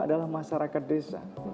adalah masyarakat desa